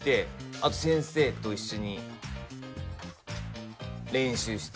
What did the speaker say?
あと先生と一緒に練習して。